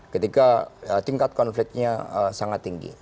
ketika tingkat konfliknya sangat tinggi